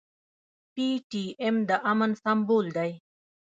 پي ټي ايم د امن سمبول دی.